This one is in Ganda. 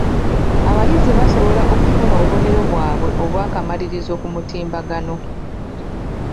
Abayizi basobola okufuna obubonero bwabwe obw'akamalirizo ku mutimbagano.